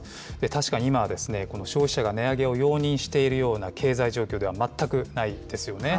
確かに今はですね、この消費者が値上げを容認しているような経済状況では全くないですよね。